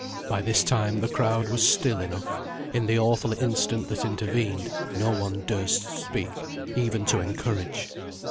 By this time the crowd was still enough; in the awful instant that intervened no one durst speak, even to encourage.